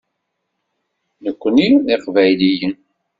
Nekkni d iqbayliyen.